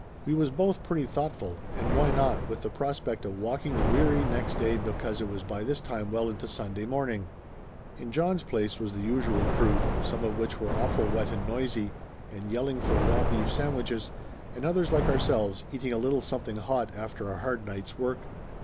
We was both pretty thoughtful, and why not with the prospect of walking the weary next day be cause it was by this time well into Sunday morning ? In John's place was the usual crew, some of which were awful wet and noisy and yelling for raw beef sandwiches, and others like ourselves, eating a little something hot after a hard night's work.